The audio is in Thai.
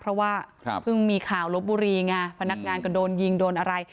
เพราะว่าเพิ่งมีข่าวลบบุรีไงพนักงานก็โดนยิงโดนอะไร